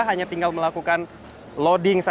hanya tinggal melakukan penyelesaian